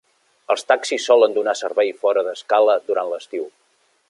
Els taxis solen donar servei fora de Skala durant l'estiu.